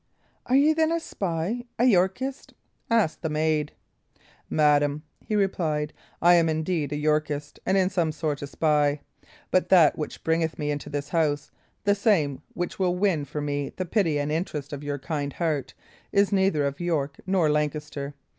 "Are ye, then, a spy a Yorkist?" asked the maid. "Madam," he replied, "I am indeed a Yorkist, and, in some sort, a spy. But that which bringeth me into this house, the same which will win for me the pity and interest of your kind heart, is neither of York nor Lancaster.